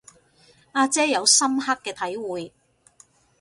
阿姐有深刻嘅體會